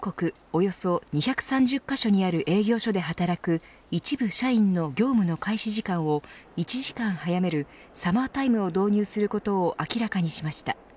およそ２３０カ所にある営業所で働く一部社員の業務の開始時間を１時間早めるサマータイムを導入することを明らかにしました。